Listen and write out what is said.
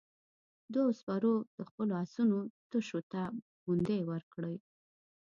دوو سپرو د خپلو آسونو تشو ته پوندې ورکړې.